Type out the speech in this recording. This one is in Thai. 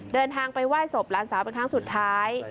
เดินทางไปไหว้ศพหลานสาวเป็นครั้งสุดท้าย